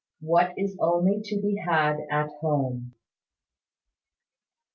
WHAT IS ONLY TO BE HAD AT HOME.